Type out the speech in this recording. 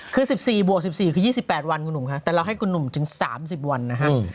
คือ๑๔บวก๑๔คือ๒๘วันคุณหนุ่มค่ะแต่เราให้คุณหนุ่มถึง๓๐วันนะครับ